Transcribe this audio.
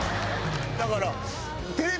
だから。